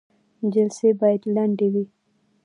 جلسې باید لنډې وي